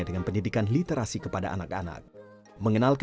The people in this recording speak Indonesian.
ter cheering rudaletry adalahuezil